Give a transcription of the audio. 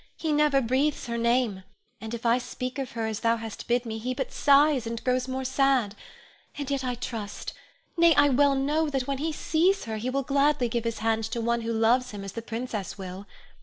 He never breathes her name, and if I speak of her as thou hast bid me, he but sighs, and grows more sad; and yet I trust, nay, I well know that when he sees her he will gladly give his hand to one who loves him as the princess will.